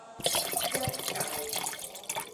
一舊